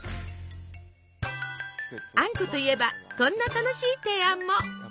あんこといえばこんな楽しい提案も。